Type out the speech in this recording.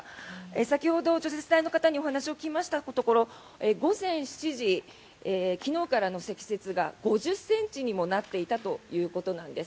先ほど、除雪隊の方にお話を聞きましたところ午前７時、昨日からの積雪が５０ｃｍにもなっていたということです。